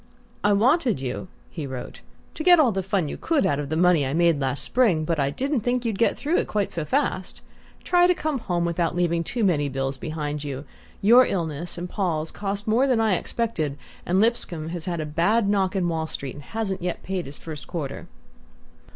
"I wanted you," he wrote, "to get all the fun you could out of the money I made last spring; but I didn't think you'd get through it quite so fast. Try to come home without leaving too many bills behind you. Your illness and Paul's cost more than I expected, and Lipscomb has had a bad knock in Wall Street, and hasn't yet paid his first quarter..."